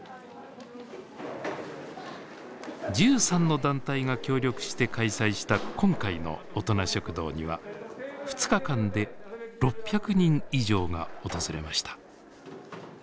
１３の団体が協力して開催した今回の大人食堂には２日間で６００人以上が訪れました。